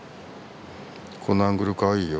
このアングルかわいいよ。